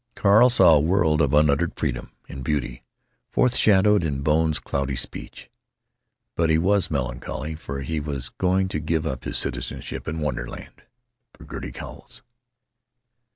Carl saw a world of unuttered freedom and beauty forthshadowed in Bone's cloudy speech. But he was melancholy. For he was going to give up his citizenship in wonderland for Gertie Cowles.